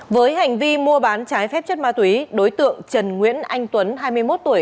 với hành vi mua bán trái phép chất ma túy đối tượng trần nguyễn anh tuấn hai mươi một tuổi